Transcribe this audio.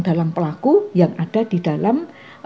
dalam pelaku yang ada di dalam